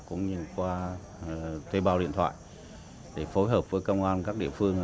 cũng như qua tế bào điện thoại để phối hợp với công an các địa phương